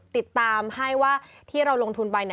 ติดตามให้ว่าที่เราลงทุนไป